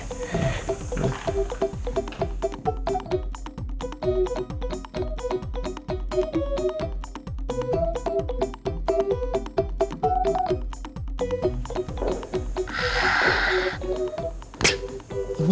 nih tunggu bentar ya